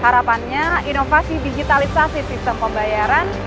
harapannya inovasi digitalisasi sistem pembayaran